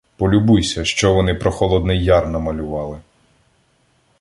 Полюбуйся, що вони про Холодний Яр намалювали.